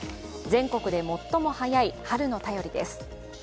全国で最も早い春の便りです。